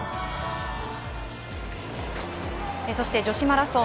そして女子マラソン。